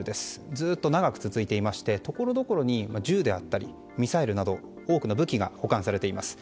ずっと長く続いていてところどころに銃であったりミサイルなど多くの武器が保管されています。